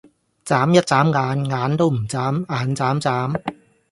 䁪一䁪眼，眼都唔䁪，眼䁪䁪